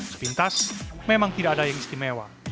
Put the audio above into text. sepintas memang tidak ada yang istimewa